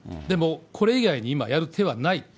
でも、これ以外に今、やる手はない。